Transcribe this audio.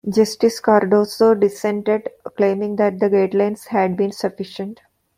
Justice Cardozo dissented, claiming that the guidelines had been sufficient.